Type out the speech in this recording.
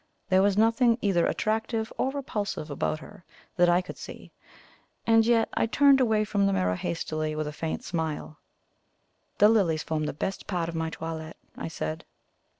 There was nothing either attractive or repulsive about her that I could see; and yet I turned away from the mirror hastily with a faint smile. "The lilies form the best part of my toilette," I said.